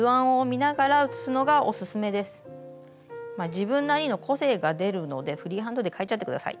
自分なりの個性が出るのでフリーハンドで描いちゃって下さい。